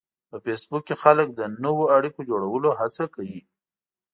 په فېسبوک کې خلک د نوو اړیکو جوړولو هڅه کوي